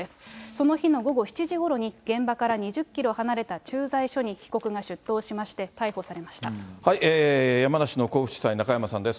その日の午後７時ごろに現場から２０キロ離れた駐在所に被告が出山梨の甲府地裁、中山さんです。